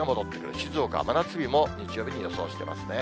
静岡は真夏日も、日曜日に予想してますね。